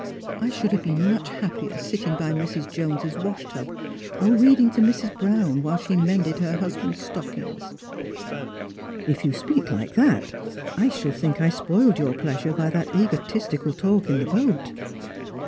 I should have been much happier sitting by Mrs. Jones's wash tub, or reading to Mrs. Brown while she mended her husband's Btockings." " If you speak like that, I shall think I spoiled your pleasure by that egotistical talk in the boat."